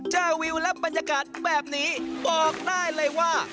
เจอวิวและบรรยากาศแบบนี้บอกได้เลยว่า